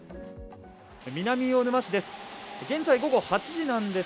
南魚沼市です。